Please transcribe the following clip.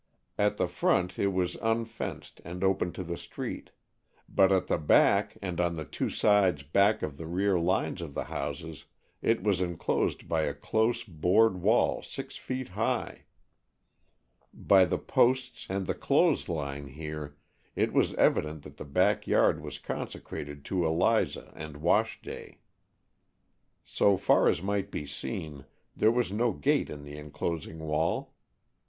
At the front it was unfenced and open to the street, but at the back and on the two sides back of the rear line of the houses it was enclosed by a close board wall six feet high. By the posts and the clothes lines here, it was evident that the back yard was consecrated to Eliza and wash day. So far as might be seen, there was no gate in the enclosing wall.